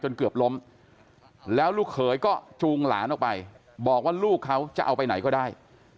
เกือบล้มแล้วลูกเขยก็จูงหลานออกไปบอกว่าลูกเขาจะเอาไปไหนก็ได้